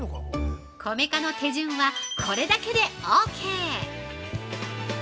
◆米化の手順はこれだけでオーケー！